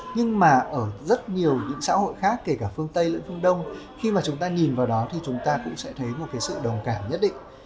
nhưng mà ở rất nhiều những xã hội khác kể cả phương tây lưỡi phương đông khi mà chúng ta nhìn vào đó thì chúng ta cũng sẽ thấy một cái sự đồng cảm nhất định